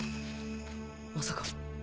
まさか！